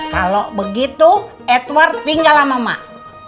kalo begitu edward tinggal sama mak